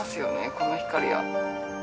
この光は。